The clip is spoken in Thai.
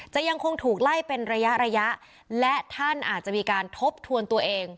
ยังคงถูกไล่เป็นระยะระยะและท่านอาจจะมีการทบทวนตัวเอง